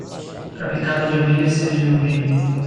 Para picada de abelha, cera de ovelha.